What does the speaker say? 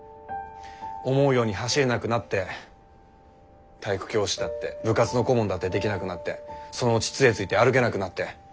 思うように走れなくなって体育教師だって部活の顧問だってできなくなってそのうち杖ついて歩けなくなって。